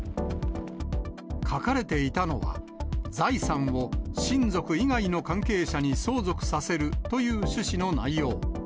書かれていたのは、財産を親族以外の関係者に相続させるという趣旨の内容。